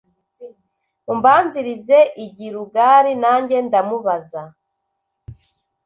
umbanzirize i gilugali nanjye ndamubaza